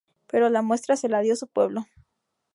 Pero la muestra se la dio su pueblo.